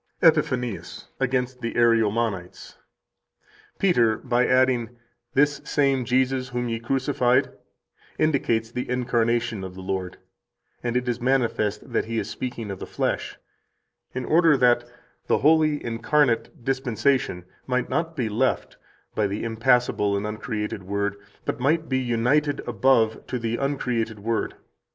82 EPIPHANIUS, Against the Ariomanites (p. 327, t. 1; fol. 728, ed. Paris, 1638): "[Peter, by adding:] 'This same Jesus whom ye crucified' [indicates the incarnation of the Lord, and it is manifest that he is speaking of the flesh], in order that the holy incarnate dispensation might not be left by the impassible and uncreated Word, but might be united above to the uncreated Word.